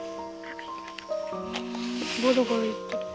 ゴロゴロ言ってる。